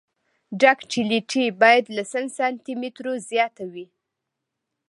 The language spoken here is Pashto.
ډکټیلیټي باید له سل سانتي مترو زیاته وي